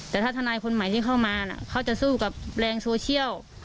แต่ถ้าทนายคนใหม่ที่เข้ามาเขาจะสู้กับแรงโซเชียล